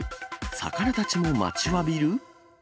魚たちも待ちわびる？